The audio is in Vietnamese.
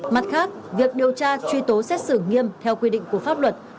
mặt khác việc điều tra truy tố xét xử nghiêm theo quy định của pháp luật